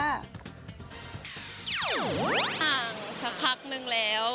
ห่างสักครั้งนึงแล้ว